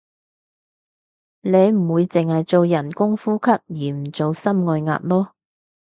你唔會淨係做人工呼吸而唔做心外壓囉